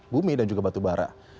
bumi dan juga batu bara